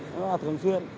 nó là thường xuyên